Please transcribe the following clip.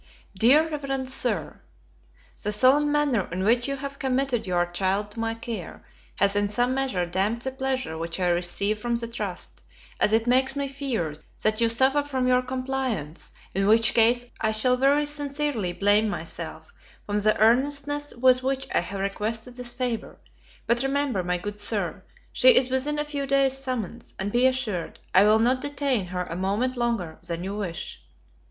Dear Rev. Sir, THE solemn manner in which you have committed your child to my care, has in some measure damped the pleasure which I receive from the trust, as it makes me fear that you suffer from your compliance, in which case I shall very sincerely blame myself for the earnestness with which I have requested this favour: but remember, my good Sir, she is within a few days summons; and be assured, I will not detain her a moment longer than you wish.